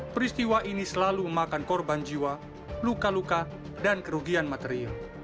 peristiwa ini selalu memakan korban jiwa luka luka dan kerugian material